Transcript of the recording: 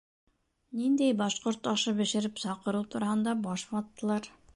Ниндәй башҡорт ашы бешереп саҡырыу тураһында баш ваттылар.